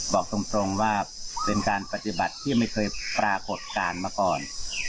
บอกตรงว่าเป็นการปฏิบัติที่ไม่เคยปรากฏการณ์มาก่อน